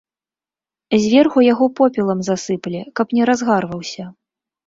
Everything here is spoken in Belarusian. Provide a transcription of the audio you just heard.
Зверху яго попелам засыпле, каб не разгарваўся.